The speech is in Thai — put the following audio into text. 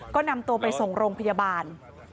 ก็นำตัวไปส่งโรงพยาบาล